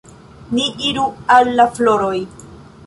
Ni iru al la floroj.